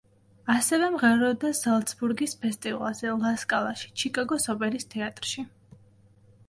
ასევე მღეროდა ზალცბურგის ფესტივალზე, ლა სკალაში, ჩიკაგოს ოპერის თეატრში.